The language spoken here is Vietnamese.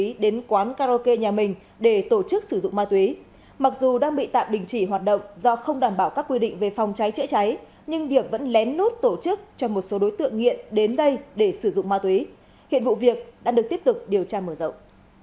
hoàng điệp đã đến quán karaoke nhà mình để tổ chức sử dụng ma túy mặc dù đang bị tạm đình chỉ hoạt động do không đảm bảo các quy định về phòng cháy trễ cháy nhưng điệp vẫn lén nút tổ chức cho một số đối tượng nghiện đến đây để sử dụng ma túy hiện vụ việc đang được tiếp tục điều tra mở rộng